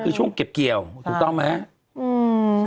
คือช่วงเก็บเกี่ยวถูกต้องไหม